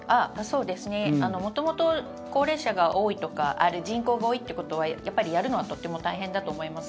元々、高齢者が多いとか人口が多いということはやるのはとっても大変だと思います。